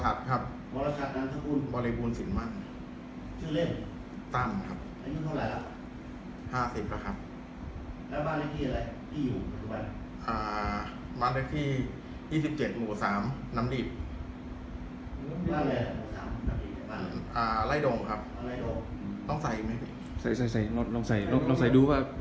อ่าไล่ดงครับไล่ดงต้องใส่ไหมใส่ใส่ใส่ลองลองใส่ดูว่า